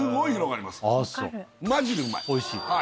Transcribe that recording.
おいしい？